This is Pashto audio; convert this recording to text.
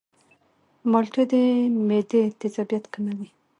مالټې د معدې تیزابیت کموي.